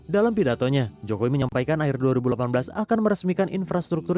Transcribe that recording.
dalam pidatonya jokowi menyampaikan akhir dua ribu delapan belas akan meresmikan infrastruktur